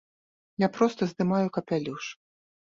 Я проста здымаю капялюш.